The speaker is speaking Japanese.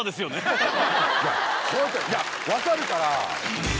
ホントいや分かるから！